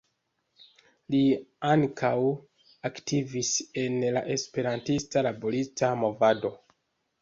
Li ankaŭ aktivis en la esperantista laborista movado.